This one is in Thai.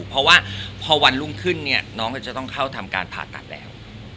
เพราะว่าพอวันรุ่งขึ้นเนี่ยน้องก็จะต้องเข้าทำการผ่าตัดแล้ว